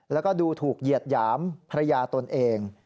แล้วก็ดูถูกเหยียดหยามภรรยาตนเอง